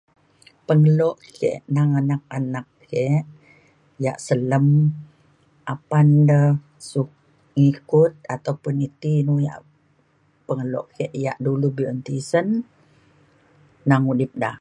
Pengelok kek ngan anak-anak kek, yak selem apan da sukat ngikut ataupun niti yak pengelok kek yak dulue bi'un tisen ngan udip da